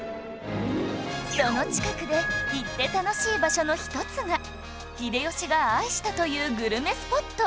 その近くで行って楽しい場所の一つが秀吉が愛したというグルメスポット